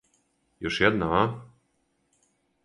Још једна, а?